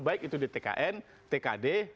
baik itu di tkn tkd